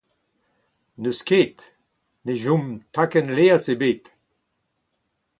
N'eus ket. ne chom takenn laezh ebet